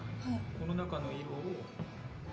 この中の色を。